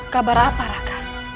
kabar apa raka